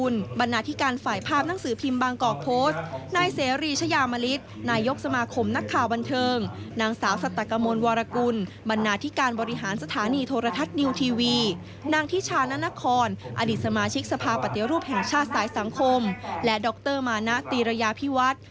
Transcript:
และดรมาณะตีระยาพิวัฒน์